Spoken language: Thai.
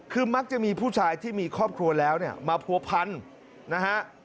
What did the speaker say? คือมักจะมีผู้ชายที่มีครอบครัวแล้วเนี่ยมาผัวพันนะฮะ